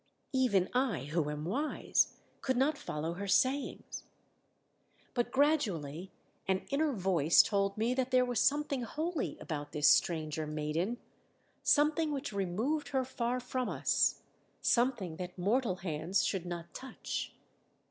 Even I, who am wise, could not follow her sayings. "But gradually an inner voice told me that there was something holy about this stranger maiden, something which removed her far from us, something that mortal hands should not touch.